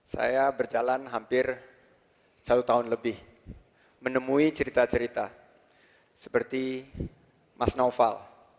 saya berjalan hampir satu tahun lebih menemui cerita cerita seperti mas naufal